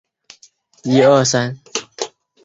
长居陆上竞技场也是举办演唱会的热门场地。